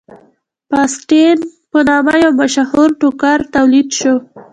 فاسټین په نامه یو مشهور ټوکر تولید شو.